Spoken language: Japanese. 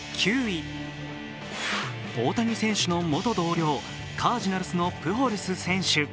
大谷選手の元同僚、カージナルスのプホルス選手。